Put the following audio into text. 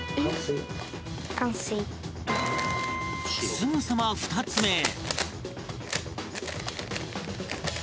すぐさま２つ目へ